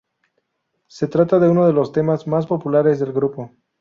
Se trata de uno de los temas más populares del grupo.